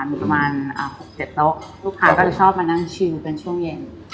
มีประมาณ๖๗โต๊ะลูกค้าก็จะชอบมานั่งชิวกันช่วงเย็น